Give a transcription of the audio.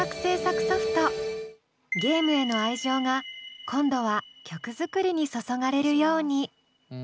ゲームへの愛情が今度は曲作りに注がれるように。